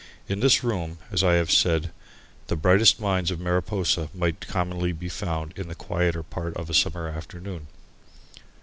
In this room, as I have said, the brightest minds of Mariposa might commonly be found in the quieter part of a summer afternoon.